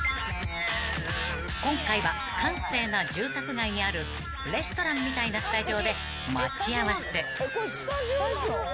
［今回は閑静な住宅街にあるレストランみたいなスタジオで待ち合わせ］